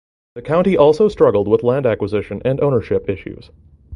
The county also struggled with land acquisition and ownership issues.